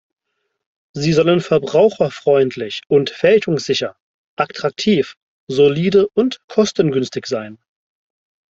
Sie sollen verbraucherfreundlich und fälschungssicher, attraktiv, solide und kostengünstig sein.